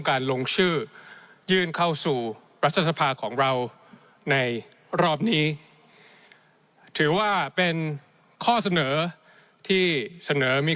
การลงชื่อยื่นเข้าสู่รัฐสภาของเราในรอบนี้ถือว่าเป็นข้อเสนอที่เสนอมี